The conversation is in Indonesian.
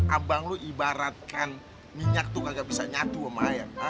abang lu ibaratkan minyak tuh kagak bisa nyatu sama ayam